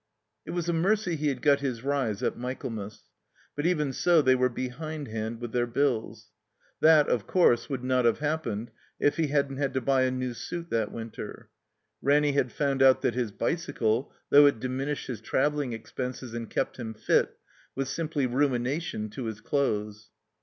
It was a mercy he had got his rise at Michaelmas. But even so they were behindhand with their bills. That, of course, would not have happened if he hadn't had to buy a new suit that winter. Ranny had found out that his bicycle, though it diminished his traveling expenses and kept him fit, was simply "ruination" to his clothes.